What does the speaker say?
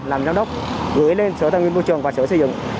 làm giám đốc gửi lên sở tài nguyên môi trường và sở xây dựng